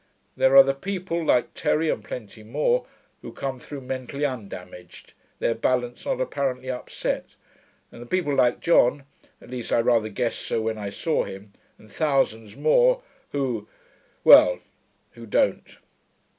There are the people, like Terry and plenty more, who come through mentally undamaged, their balance not apparently upset, and the people like John (at least I rather guessed so when I saw him) and thousands more, who well, who don't....